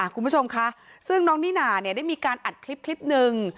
คุณผู้ชมค่ะซึ่งน้องนิน่าได้มีการอัดคลิปหนึ่ง